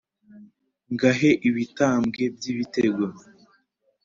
ngahe ibitambwe by’ibitego